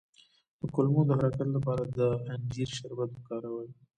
د کولمو د حرکت لپاره د انجیر شربت وکاروئ